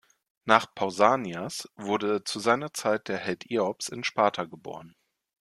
Nach Pausanias wurde zu seiner Zeit der Held Iops in Sparta geboren.